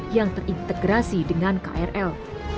yang terintegrasi dengan krl